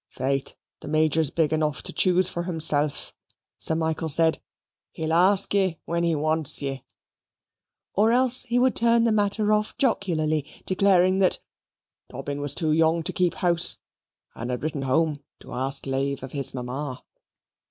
"Faith, the Major's big enough to choose for himself," Sir Michael said; "he'll ask ye when he wants ye"; or else he would turn the matter off jocularly, declaring that "Dobbin was too young to keep house, and had written home to ask lave of his mamma."